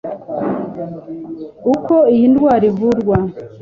Uko iyi ndwara ivurwa